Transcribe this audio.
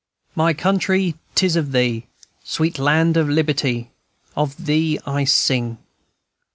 "My Country, 'tis of thee, Sweet land of liberty, Of thee I sing!"